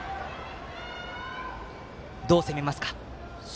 どう攻めますか。